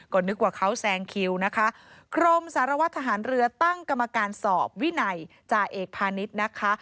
ก็นึกว่าเขาแซงคิวนะคะกรมสารวัตรทหารเรือตั้งกรรมการสอบวินัยจ่าเอกพาณิชย์นะคะ